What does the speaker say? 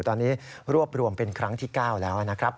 ตอนนี้รวบรวมเป็นครั้งที่๙แล้วนะครับ